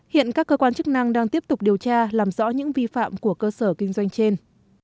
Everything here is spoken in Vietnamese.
hiện các cơ quan chức năng đang tiếp tục điều tra làm rõ những vi phạm của cơ sở kinh doanh trên